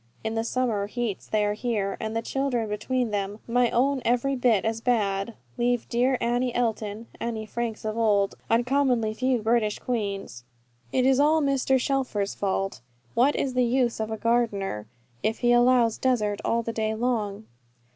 In the summer heats they are here, and the children between them, my own every bit as bad, leave dear Annie Elton (Annie Franks of old), uncommonly few British Queens. It is all Mr. Shelfer's fault. What is the use of a gardener, if he allows dessert all the day long?